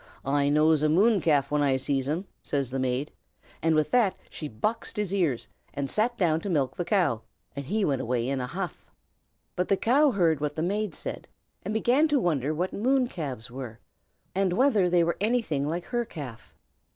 "I knows a moon calf when I sees him!" says the maid; and with that she boxed his ears, and sat down to milk the cow, and he went away in a huff. But the cow heard what the maid said, and began to wonder what moon calves were, and whether they were anything like her calf.